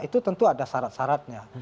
itu tentu ada syarat syaratnya